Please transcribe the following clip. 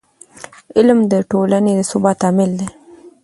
علم د ټولنې د ثبات عامل دی.